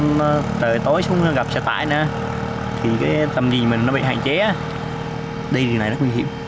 nên từ tối xuống gặp xe tải nữa thì tầm nhìn mình bị hạn chế đi đường này rất nguy hiểm